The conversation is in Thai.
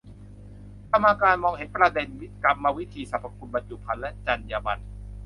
กรรมการมองประเด็นกรรมวิธี สรรพคุณ บรรจุภัณฑ์ และจรรยาบรรณ